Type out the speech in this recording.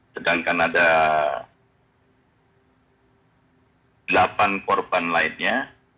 sedangkan ada delapan korban lainnya